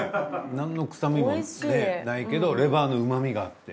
なんの臭みもないけどレバーのうまみがあって。